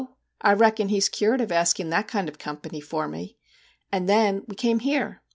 I reckon he's cured of asking that kind of company for me. And then we came here.